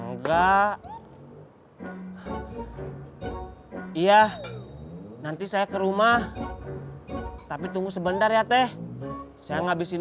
enggak iya nanti saya ke rumah tapi tunggu sebentar ya teh saya ngabisin